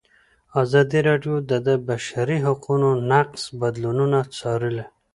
ازادي راډیو د د بشري حقونو نقض بدلونونه څارلي.